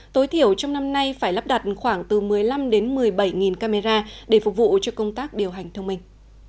tối thiểu trong năm nay phải lắp đặt khoảng từ một mươi năm đến một mươi bảy camera để phục vụ cho công tác điều hành thông minh